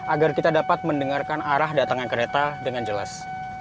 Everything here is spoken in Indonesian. agar kita dapat mendengarkan arah datangan kereta dengan jelas